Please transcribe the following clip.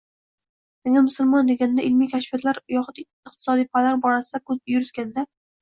Nega “musulmon” deganda ilmiy kashfiyotlar yoxud iqtisodiy fanlar borasida so‘z yuritilganda b